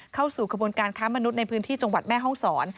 เข้าสู่กระบวนการค้ามนุษย์ในพื้นที่จังหวัดแม่ห้องศร